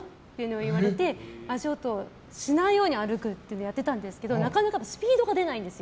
言われて足音しないように歩くのをやってたんですけどなかなかスピードが出ないんですよ。